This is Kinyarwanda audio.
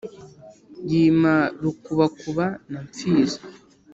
yima rukubakuba na mpfizi